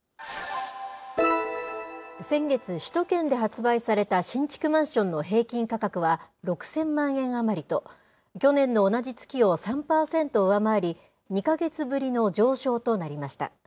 先月、首都圏で発売された新築マンションの平均価格は、６０００万円余りと、去年の同じ月を３％上回り、２か月ぶりの上昇となりました。